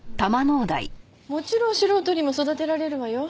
もちろん素人にも育てられるわよ。